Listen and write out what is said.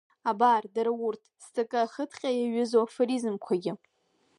Абар дара урҭ, зҵакы ахыҭҟьа иаҩызоу афоризмқәагьы…